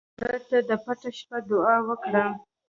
مړه ته د پټه شپه دعا وکړه